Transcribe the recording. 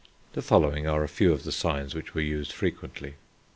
The following are a few of the signs which were used frequently.